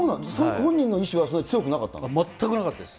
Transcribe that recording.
本人の意思はそん全くなかったです。